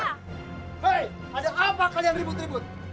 hei ada apa kalian ribut ribut